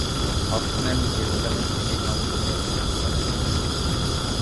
Hofmann Jerusalem city কাউন্সিলের প্রাক্তন সদস্য।